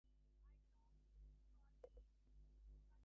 It is located in the city of Stavanger in Rogaland county, Norway.